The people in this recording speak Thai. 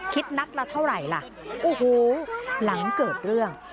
คิดนัดละเท่าไหร่ล่ะโอ้โหหลังเกิดเรื่อง